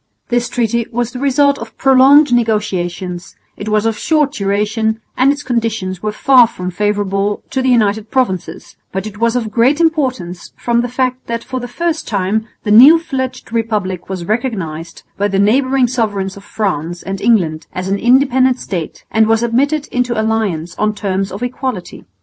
This treaty was the result of prolonged negotiations; it was of short duration and its conditions were far from favourable to the United Provinces, but it was of great importance from the fact that for the first time the new fledged republic was recognised by the neighbouring sovereigns of France and England as an independent state and was admitted into alliance on terms of equality.